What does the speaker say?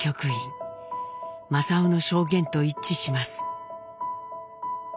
正雄の証言と一致します。